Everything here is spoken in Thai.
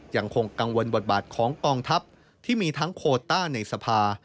ยังคงกังวลบทบาทของกองทัพที่มีทั้งโคต้าในสภา